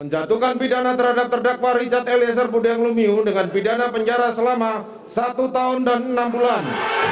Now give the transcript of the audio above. menjatuhkan pidana terhadap terdakwa richard eliezer budiang lumiu dengan pidana penjara selama satu tahun dan enam bulan